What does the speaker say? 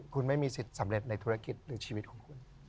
คุณไม่มีสิทธิ์สำเร็จในธุรกิจหรือชีวิตของคุณ